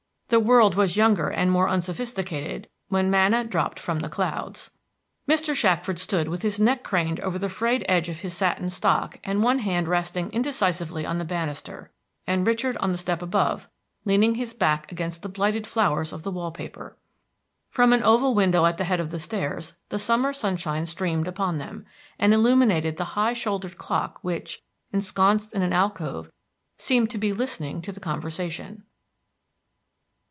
The world was younger and more unsophisticated when manna dropped from the clouds. Mr. Shackford stood with his neck craned over the frayed edge of his satin stock and one hand resting indecisively on the banister, and Richard on the step above, leaning his back against the blighted flowers of the wall paper. From an oval window at the head of the stairs the summer sunshine streamed upon them, and illuminated the high shouldered clock which, ensconced in an alcove, seemed to be listening to the conversation.